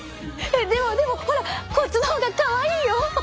でもでもほらこっちの方がかわいいよ！